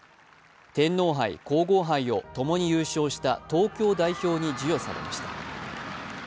天皇杯・皇后杯を共に優勝した東京代表に授与されました。